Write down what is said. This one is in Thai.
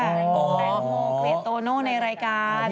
เกลียดโตโนในรายการ